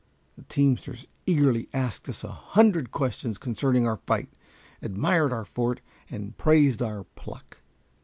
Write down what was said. The teamsters eagerly asked us a hundred questions concerning our fight, admired our fort, and praised our pluck.